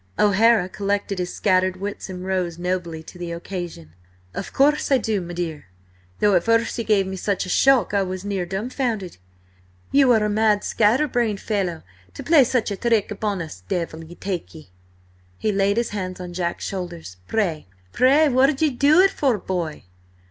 O'Hara collected his scattered wits and rose nobly to the occasion. "Of course I do, me dear, though at first he gave me such a shock, I was near dumbfounded. Ye are a mad, scatter brained fellow to play such a thrick upon us, devil take ye!" He laid his hands on Jack's shoulders. "Pray, what did ye do it for, boy?"